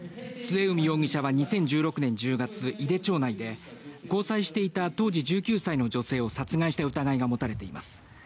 末海容疑者は２０１６年１０月井手町内で交際していた当時１９歳の女性を殺害した疑いが持たれています。